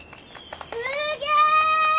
すげえ！